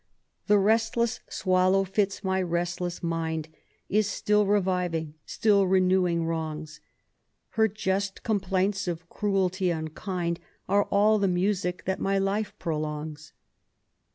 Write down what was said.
The restless swallow fits my restless mind In still reviving, still renewing, wrongs ; Her just complaints of cruelty unkind Are all the music that my life prolongs.